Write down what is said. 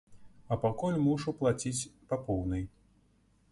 А пакуль мушу плаціць па поўнай.